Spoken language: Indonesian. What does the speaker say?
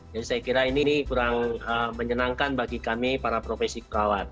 jadi saya kira ini kurang menyenangkan bagi kami para profesi perawat